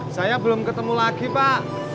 saya belum ketemu lagi pak